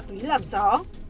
và tùy làm rõ